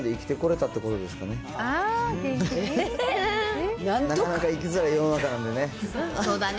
なかなか生きづらい世の中なんでね。